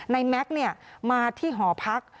แม็กซ์มาที่หอพัก